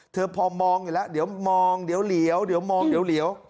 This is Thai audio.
เธอพอมองอยู่แล้วเดี๋ยวมองเดี๋ยวเหลียวเดี๋ยวมองเดี๋ยวเหลียว